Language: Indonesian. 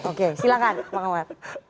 oke silahkan pak komar